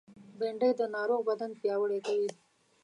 بېنډۍ د ناروغ بدن پیاوړی کوي